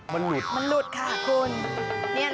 มันหลุดมันหลุดค่ะคุณ